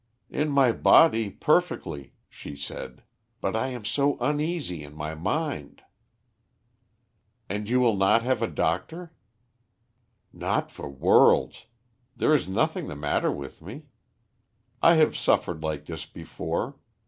"In my body, perfectly," she said. "But I am so uneasy in my mind." "And you will not have a doctor?" "Not for worlds. There is nothing the matter with me. I have suffered like this before.